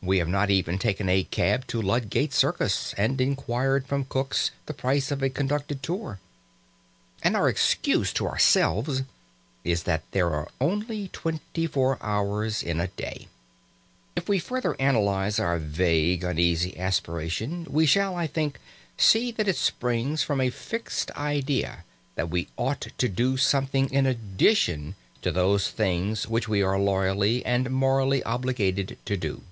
We have not even taken a cab to Ludgate Circus and inquired from Cook's the price of a conducted tour. And our excuse to ourselves is that there are only twenty four hours in the day. If we further analyse our vague, uneasy aspiration, we shall, I think, see that it springs from a fixed idea that we ought to do something in addition to those things which we are loyally and morally obliged to do.